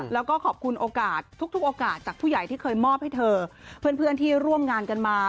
แล้วก็ขอบคุณโอกาสทุกโอกาสจากผู้ใหญ่ที่เคยมอบให้เธอเพื่อนที่ร่วมงานกันมา